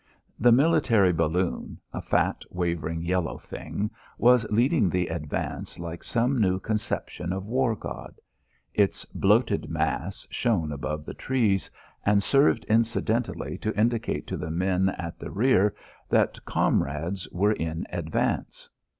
The military balloon, a fat, wavering, yellow thing, was leading the advance like some new conception of war god. Its bloated mass shone above the trees, and served incidentally to indicate to the men at the rear that comrades were in advance.